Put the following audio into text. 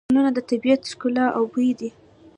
ګلونه د طبیعت ښکلا او بوی دی.